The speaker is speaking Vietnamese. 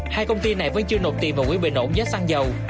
hai công ty này vẫn chưa nộp tiền vào quỹ bình ổn giá xăng dầu